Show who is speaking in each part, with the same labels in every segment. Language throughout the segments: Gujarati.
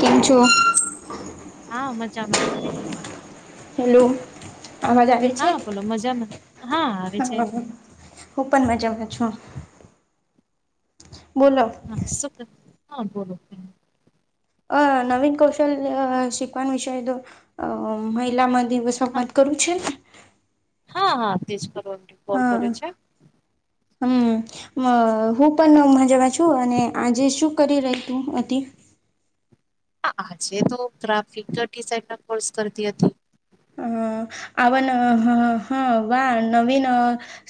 Speaker 1: કેમ છો?
Speaker 2: હા મજામાં તમે
Speaker 1: હલો અવાજ આવે છે
Speaker 2: હા બોલો મજામાં હા આવે છે
Speaker 1: તમને? હું પણ મજા છું બોલો.
Speaker 2: હા શું કે હા બોલો કઈક
Speaker 1: આ નવીન કૌશલ શિખવાની છે તો મહિલા મ દિવસ માં
Speaker 2: હા
Speaker 1: ફોન કરું છે.
Speaker 2: હા તે જ કરવાનું રહ્યું.
Speaker 1: હા હા. હા હું પણ મજામાં છું અને આજે શું કરી રહી હતી?
Speaker 2: હા આજે તો ગ્રાફિકિડ ના કોર્સ કરતી હતી.
Speaker 1: હા આવા ના હા નવીન નો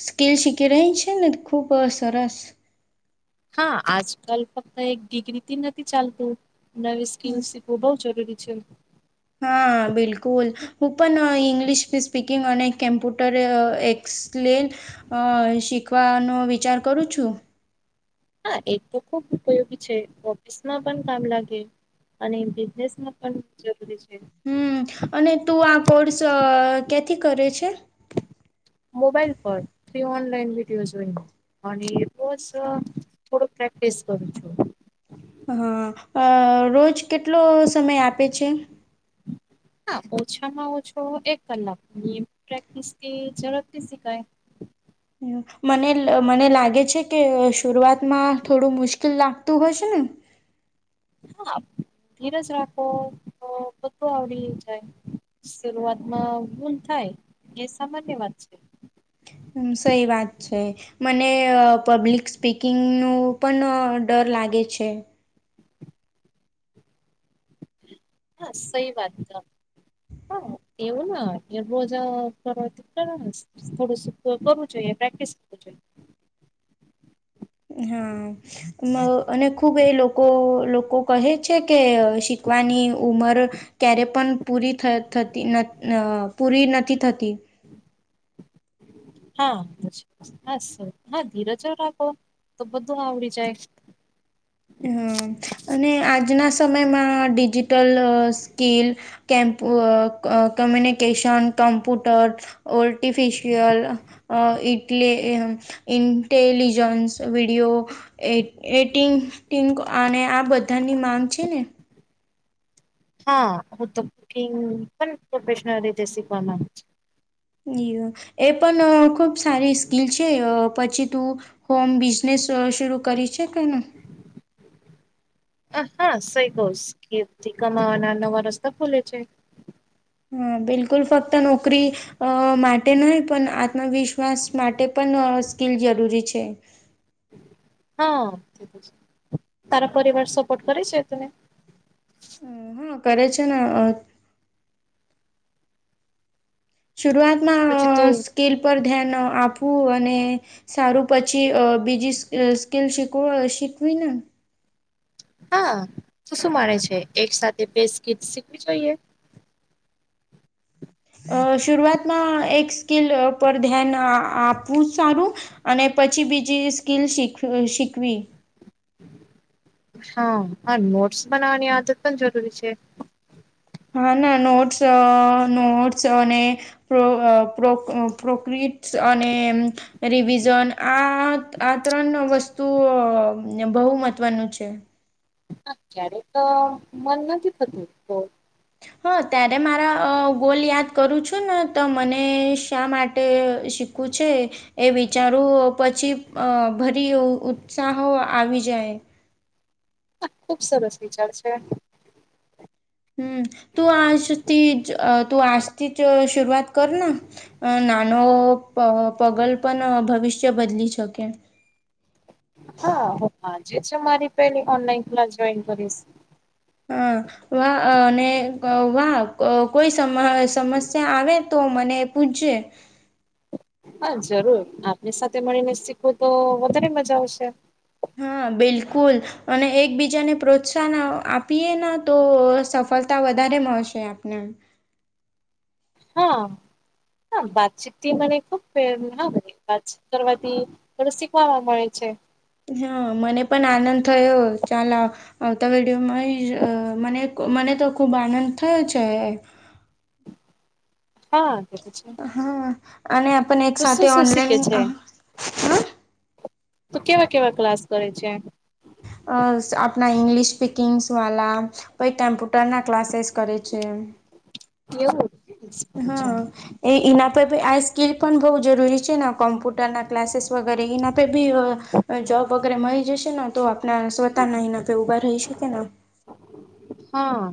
Speaker 1: સ્કીિલ શખી રહિ છું ખૂબ સરસ.
Speaker 2: હા આજકાલ ફક્ત એક ડિગ્રી થી નથી ચાલતું. નવી સ્કીલ
Speaker 1: હમ
Speaker 2: શીખવું બોવ જરૂરી છે.
Speaker 1: હા બિલકુલ હું પણ ઇંગ્લિશ સ્પીકિંગ અને કેમ્પ્યુટર એકસ કલે શીખવાનો વિચાર કરું છું.
Speaker 2: હા એ તો ખુબ ઉપયોગી છે ઓફિસમાં પણ કામ લાગે. અને બિઝનેસમાં પણ જરૂરી છે.
Speaker 1: હમમ અને તું આ કોર્સ ક્યાથી કરે છે?
Speaker 2: મોબાઈલ પર થી ઓનલાઈન વિડીયોઝ જોયને. અને બોસ થોડો પ્રેક્ટિસ કરું છું.
Speaker 1: હા અ રોજ કેટલો સમય આપે છે?
Speaker 2: [inaudible] હા ઓછામાં ઓછો એક કલાક ની પ્રેક્ટિસથી જ ઝડપ થી શીખાય.
Speaker 1: હા મને મને લાગે છે કે શરૂઆતમાં થોડું મુશ્કેલ લાગતું હસે ને
Speaker 2: હા ધીરજ રાખો તો બધું આવડી જાય. શરૂઆતમાં ભૂલ થાય એ સામાન્ય વાત છે.
Speaker 1: હા સહી વાત છે. મને અ પબ્લિક સ્પીકિંગ નું પણ ડર લાગે છે.
Speaker 2: હા સહિ વાત છે હા એવુ ના એવું જ તરત કર થોડું કરવું જોઈએ પ્રેક્ટિસ કરવું જોઈએ
Speaker 1: હમમ. નો અને ખૂબ એ લોકો લોકો કહે છે કે શીખવાની ઉમર ક્યારે પણ પૂરી થ થતી અ પૂરી નથી થતી.
Speaker 2: હમમ. હા [unintelligible] હા ધીરજ રાખો તો બધું આવડી જાય.
Speaker 1: હમમ અને આજના સમયમાં ડિજિટલ સ્કીલ કેમપ અ ક તમને કેશન કમ્પ્યુટર ઓર્ટિફિશિયલ અ ઇટલી. ઇન્ટલીજસ વિડિયો એ એટિંગ. ટિંક અને આ બધાની માંગ છે ને.
Speaker 2: હા હું તો કુકિંગ પણ પ્રોફેશનલ રીતે શીખવા માંગુ છું.
Speaker 1: એ પણ ખુબ સારી સ્કીલ છે અ પછી તું હોમ બિઝનેસ શુરૂ શુરુ કરી શકેને.
Speaker 2: [inaudible] હ હા સહી કહશ કેથી કમાવાના નવા રસ્તા ખુલે છે.
Speaker 1: હા બિલકુલ ફક્ત નોકરી અ માટે માટે નહી પણ આત્મવિશ્વાસ માટે પણ અ સ્કીલ જરૂરી છે.
Speaker 2: હા તારો પરિવાર સપોર્ટ કરે છે તને.
Speaker 1: હા કરે છેને અ શરૂઆતમાં અ
Speaker 2: પછી તું
Speaker 1: સ્કેલ પર ધ્યાન આપવું અને સારું પછી અ બીજી સ્કીલ શીખ શીખવી ને.
Speaker 2: હા તુ શું માને છે એક સાથે બે સ્કીપ શીખવી જોઈએ.
Speaker 1: અ શરૂઆતમાં એક સ્કીલ પર ધ્યાન આપવું સારું. અને પછી બીજી સ્કીલ શીખ શીખવી.
Speaker 2: હા હ નોટ્સ બનાવવાની આદત પણ જરૂરી છે.
Speaker 1: હા ના નોટ્સ નોટ્સ અને પ્રો અ પ્રોફ પ્રોક્ર્રીટસ અને રિવિઝન આ આ ત્રણ વસ્તુ બહુ મહત્વનું છે.
Speaker 2: હા ક્યારે તો મન નથી થતું તો.
Speaker 1: હં ત્યારે મારા ગોલ યાદ કરું છું ને તો મને શા માટે શીખવું છે એ વી વીચારું પછી અ ભરી ઉત્સાહો આવી જાય.
Speaker 2: આ ખુબ સરસ વિચાર છે.
Speaker 1: હમ્મ તું આજતી જ તું આજથી જ શરઆત કર ન. અ નાનો પ પગલ પણ ભવિષ્ય બદલી શકે.
Speaker 2: હા હું આજે છે મારી પેલી ઓનલાઈન ક્લાસ જોઈન કરીશ.
Speaker 1: અ વહાં અ અને વાહ કોઈ સમ સમસ્યા આવે તો. મને એ પૂછજે.
Speaker 2: હા જરૂર આપની સાથે મળીને શીખવું તો વધારે મજા આવશે.
Speaker 1: હા બિલકુલ. અને એકબીજાને પ્રોત્સાહન આપીએ ન તો સફળતા વધારે મળશે આપને.
Speaker 2: હા હ વાતચીતથી મને ખુબપ્રેરણા મળી હ વાતચીત કરવાથી થોડું શીખવામાં મળે છે.
Speaker 1: હા મને પણ આનંદ થયો ચાલ આવ આવતા વિડીયોમાં મને મને તો ખુબ આનંદ થયો છે.
Speaker 2: હા કેતો છે
Speaker 1: હા અને આપણ એક
Speaker 2: તો શું
Speaker 1: સાથે
Speaker 2: શું શીખે
Speaker 1: ઓનલાઈન
Speaker 2: છે. તુ કેવા-કેવા ક્લાસ કરે છે.
Speaker 1: અ આપણા ઇંગ્લિશ સ્પીકિંગ્સવાલા પછી કમ્પ્યુટરના ક્લાસેસ કરે છે.
Speaker 2: એવુ.
Speaker 1: હા. એ એના પરે બી આ સ્કિલ પણ બહુ જરૂરી છે ને કોમ્પ્યુટરના ક્લાસીસ વગેરે એના પર બી અ જોબ વગેરે મળી જશે ને તો આપણા સ્વતાનાનાે ઉભા રહી શકે ન.
Speaker 2: હા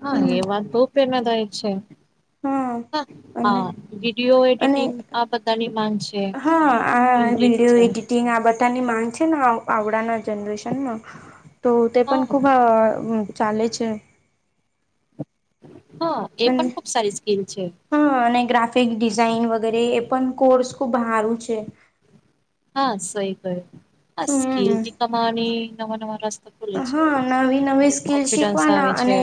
Speaker 2: હા એ
Speaker 1: હમ
Speaker 2: વાત તો પેલા થાયક છે.
Speaker 1: હા
Speaker 2: હા
Speaker 1: અને
Speaker 2: વિડીિયો
Speaker 1: અને
Speaker 2: એડિટિંગ આ બધાની માંગ છે.
Speaker 1: હા આ વિડીયો
Speaker 2: ઇન્ટેલિજન્સ
Speaker 1: એડીિટીિંગ આબત તની ગ છે ને આવડાના જનરેશનમાં તો તે
Speaker 2: હા
Speaker 1: પણ ખૂબ ચાલે છે.
Speaker 2: હા એ
Speaker 1: અને
Speaker 2: પણ ખુબ સારી સ્કીલ છે.
Speaker 1: હા અને ગ્રાફિક ડિઝાઇન વગેરે એ પણ કોર્સ ખુબ સારું છે.
Speaker 2: હા સઈ ક હ
Speaker 1: હમ
Speaker 2: સ્કીિલથી કમાણી નવા નવા ર
Speaker 1: હા નવી નવી સ્કીલ
Speaker 2: આવે
Speaker 1: શીખવાના
Speaker 2: છે
Speaker 1: અને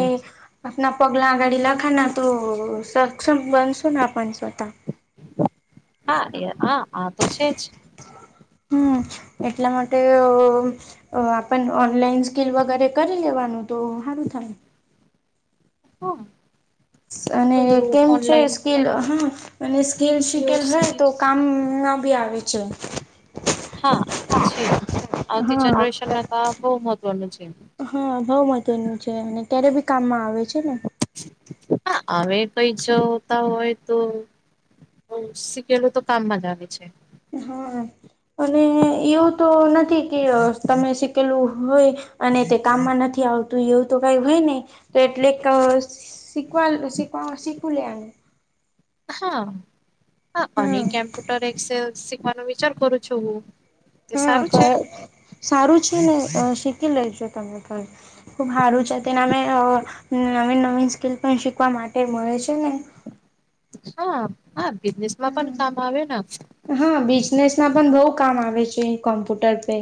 Speaker 1: આપના પગલા આઘાડી લખા ના તો સક્ષમ બનશો ના આપ સ્વત
Speaker 2: હા એ હા આ તો છે જ.
Speaker 1: હમ એટલા માટે અ આપણ ઓનલાઈન સ્કીલ વગેરે કરી લેવાનું તો સારું થાય.
Speaker 2: હમ્મ
Speaker 1: અને કેમ છે સ્કીલ હ અને સ્કીલ શીખેલ હોને
Speaker 2: સ્કીલ
Speaker 1: તો કામ ના ભી આવે છે.
Speaker 2: હા તો છે આવતી
Speaker 1: હા
Speaker 2: જનરેશનમાં તો બહુ મહત્વનું છે.
Speaker 1: હા બઉ મહત્વનુ છે, અને ક્યારે બી કામમાં આવે છેને.
Speaker 2: હ હવે કઈ જોતા હોય તો. શીખેલું તો કામમાં જ આવે છે.
Speaker 1: હા અને એવું તો નથી કે તમે શીખેલું હોય. અને તે કામમાં નથી આવતું એવું તો કઈ હોય નને તો એટલે શીખવા શીવા શીખ લ આ
Speaker 2: હા હ અને
Speaker 1: હમ
Speaker 2: કેમ્પ્યુટર એક્સેલ શીખવાનો વિચાર કરુ છુ, હુ
Speaker 1: હા સારું છેને, શીખી લેજો તમે ઘર ખુબ સારું છે, તેને અમે નવીન નવીન સ્કીલ પણ શીખવા માટે મળે છેને.
Speaker 2: હા હા બિઝનેસમાં પણ કામ આવ ને
Speaker 1: હા બિઝનેસ ના પણ બહુ કામ આવે છે, કોમ્પ્યુટર પરે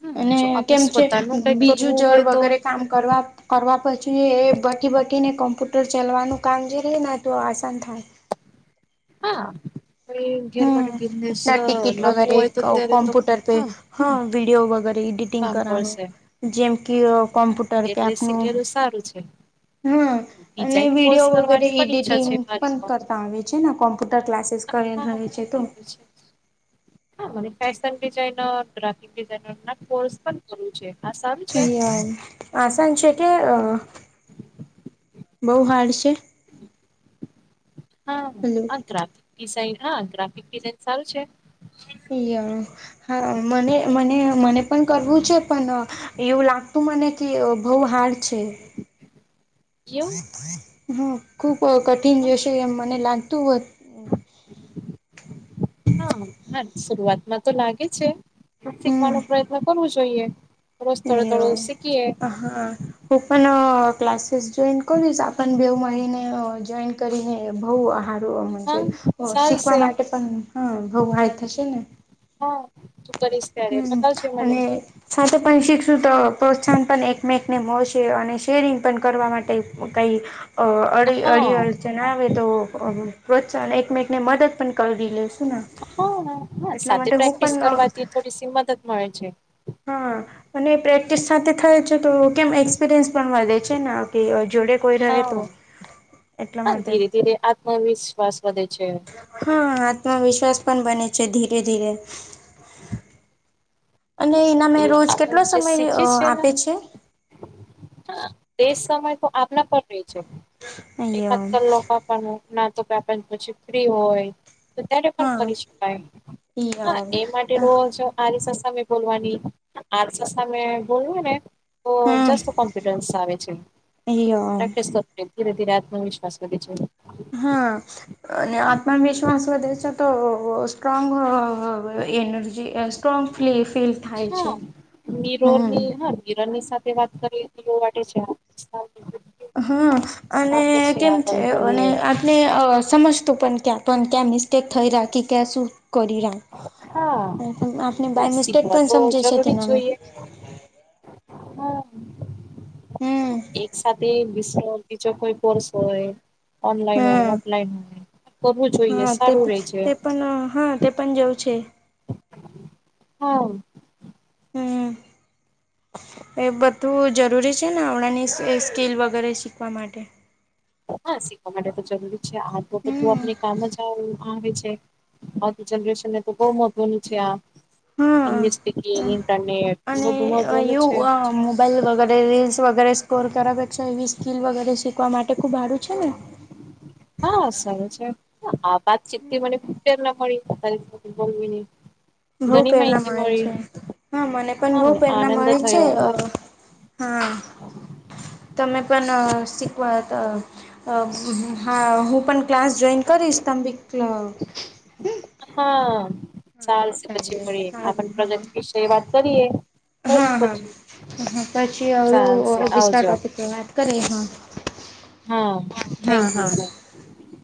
Speaker 2: હમ
Speaker 1: અને
Speaker 2: જો આપણે
Speaker 1: કેમ છે
Speaker 2: પોતાનું કઈક
Speaker 1: બીજું
Speaker 2: કરવું
Speaker 1: જળ
Speaker 2: હોય તો
Speaker 1: વગેરે કામ કરવા કરવા પછી એ બટી બટીને કમ્પ્યુટર ચાલવાનું કામ જે રહે ને તો આસાન થાય.
Speaker 2: હા ઘેર
Speaker 1: હમ
Speaker 2: માટેા બિઝનેસ
Speaker 1: ના ટિકિટ
Speaker 2: લાંુ
Speaker 1: વગેરે
Speaker 2: હોય તો અત્યારે તો
Speaker 1: કોમ્પ્યુટર પે
Speaker 2: હા
Speaker 1: વિડીયો વગેરે એડિટિંગ
Speaker 2: કામ
Speaker 1: કરવાનું
Speaker 2: કરશે
Speaker 1: જેમ કે કો્પ્યુટ
Speaker 2: એટલે શીખેલું સારુ છે.
Speaker 1: હા અને
Speaker 2: ડિઝાઇન કોર્સ
Speaker 1: વિડીિયો વગેરે
Speaker 2: કરવાની પણ ઈચ્છા
Speaker 1: એડિટિંગ
Speaker 2: છે મારી
Speaker 1: પણ
Speaker 2: તો
Speaker 1: કરતા આવે છેન, કોમ્પ્યુટર ક્લાસીસ કરીને
Speaker 2: હા
Speaker 1: રહે છે
Speaker 2: એ તો છે. હા, મને ફેશન ડિઝઇનર ગ્રાફિક ડિઝઇનર ના કોર્સ પણ કરવુ છે. આ સારું છે.
Speaker 1: આસાન છે, કે બહ હાર્ડ છે. હલો
Speaker 2: હા ગ્રાફિકિઝઇન હા ગ્રાફિક ડિઝઇન સારુ છે.
Speaker 1: અ હા મને મને મને પણ કરવુ છે, પણ એવું લાગતું મને કે બહ હાર્ડ છે.
Speaker 2: એવું
Speaker 1: હ ખુબ કઠિન
Speaker 2: હા
Speaker 1: જશે એમ મને લાગતું હોત.
Speaker 2: હા હ શરૂઆતમાં તો લાગે છે.
Speaker 1: હમ
Speaker 2: શીખવાનો પ્રયત્ન કરવો જોઈએ. રોજ તોડે તડું શીખીએ.
Speaker 1: હ હું પણ ક્લાસીસ જોઈન કરીશ, આપ બેવ માળીને જોઈન કરીને બહુ આ હારો
Speaker 2: હા
Speaker 1: શીખવા
Speaker 2: ચાલશે
Speaker 1: માટે પણ હા બહ વા થશે ને.?
Speaker 2: હા, તું કરીશ ત્યારે
Speaker 1: હમ
Speaker 2: બતાવ જે મને.?
Speaker 1: અને સાથે પણ સીખ શું તો પ્રોત્સાહન પણ એકમેકને મળશે, અને શેરિંગ પણ કરવા માટે કઈ અ-અડી
Speaker 2: હા
Speaker 1: અડીળ જણાવે તો પ્રોત્સાહન એકમેક ને મદદ પણ કરી લેશ.
Speaker 2: હ, હ, સાથે પ્રેક્ટિસ
Speaker 1: પણ
Speaker 2: કરવાથી થોડી શી મદદ મળે છે.
Speaker 1: હા અને પ્રેક્ટિસ સાથે થાય છે તો, કેમ એક્સપિરિયન્સ પણ વધે છે, ને આપણી જોડે કોઈ રહે તો
Speaker 2: હા,
Speaker 1: એટલા
Speaker 2: હા,
Speaker 1: માટે
Speaker 2: ધીરે-ધીરે આત્મવિશ્વાસ વધે છે.
Speaker 1: હા, આત્મવિશ્વાસ પણ બને છે, ધીરે- ધીરે અને એના મેં
Speaker 2: એવું
Speaker 1: રોજ
Speaker 2: આપણ
Speaker 1: કેટલો
Speaker 2: જે
Speaker 1: સમય
Speaker 2: શીખીએ ને
Speaker 1: આપે છે?
Speaker 2: તે સમય તો આપના પર રેય છે,
Speaker 1: અ
Speaker 2: એકાદ ક્લાક આપ પણ ના તો કે આપ પછી ફ્રી હોય. તો ત્યારે પણ
Speaker 1: હા
Speaker 2: કરી શકાય, હા એ માટે રોજ આરીશા સામે બોલવાની આરીશા સામે બોલીયે ને તો
Speaker 1: હમ
Speaker 2: જસ્ટ કોન કોન્ફિડન્સ આવે છે, પ્રેક્ટિસ કરવાની ધીરે ધીરે આત્મવિશ્વાસ વધે છે.
Speaker 1: હા, અને આત્મવિશ્વાસ વધે છે, તો સ્ટ્રોંગ અ-એનર્જી સ્ટ્રોંગફ્લી ફીલ થાય છે
Speaker 2: હા,
Speaker 1: હમ
Speaker 2: મીરરની હા, મીરરની સાથે વાત કર માટે છે આ
Speaker 1: હ, અને કેમ છે અને
Speaker 2: બોલીએ
Speaker 1: આ ને અ સમસ્તું પણ ક્યાં પણ ક્યાં મિસ્ટેક થઈ રાખી કે શું? કરી ના
Speaker 2: હા
Speaker 1: હું હું આપને
Speaker 2: હા
Speaker 1: બાય મિસ્ટેક
Speaker 2: શીખવા
Speaker 1: પણ
Speaker 2: તો
Speaker 1: સમજે છે
Speaker 2: જરૂરી જ
Speaker 1: તેના
Speaker 2: જોઈએ હા
Speaker 1: હમ
Speaker 2: એક સાથે વીસ સવાલ એ જો કોઈ પણ સોયે ઓનલાઈન હોય,
Speaker 1: હા
Speaker 2: ઓફલાઈન હોય, કરવું જોઈએ
Speaker 1: હા તે
Speaker 2: સારું રેય છે.
Speaker 1: તે હા, તે પણ જો છે.
Speaker 2: હં,
Speaker 1: હમ એ બધું જરૂરી છે ને અમણાંની એસ સ્કીલ વગેરે શીખવા માટે
Speaker 2: હા, શીખવા માટે તો જરૂરી છે, આ તો બધ્ધું
Speaker 1: હમ
Speaker 2: આપણે કામ જ આવે આવે છે, આવતી જનરેશનને તો બઉ મહત્વનું છે આ ઇન્વેસ્ટિગેટ અને
Speaker 1: એ-અ-યું-અ-મ [unintelligible] બાઈલ વગેરે, રીલ્સ વગેરે, સ્કોર કરાવે છે એવી સ્કીલ વગેરે શીખવા માટે ખૂબ હારું છે ને?
Speaker 2: હા, સરું છે હ, આ વાત ચીત થી માને પ્રેરના મળી. એક જ મિનિટ.
Speaker 1: બો પ્રેરણા મળે છે, હા, મને પણ
Speaker 2: હા
Speaker 1: બો
Speaker 2: મને
Speaker 1: પેરના
Speaker 2: આનંદ
Speaker 1: મળી છે
Speaker 2: થયો હતો
Speaker 1: અ હા, તમે પણ શીકવા ત અ હા, હું પણ ક્લાસ જોઈન કરીશ તમ બી ક્લ
Speaker 2: હા. ચાલશે પછી મળીએ, આપણન
Speaker 1: હા
Speaker 2: પ્રગતિ વિશે વાત કરીએ, કરશું પછી.
Speaker 1: હમ્મ-હમ્મ. પછી ઓલું
Speaker 2: ચાલશે
Speaker 1: [unintelligible]
Speaker 2: આવજો
Speaker 1: ટોપિક પર વાત કરે, હા.
Speaker 2: હા,
Speaker 1: હા
Speaker 2: થેન્ક યુ,
Speaker 1: હા.
Speaker 2: બાય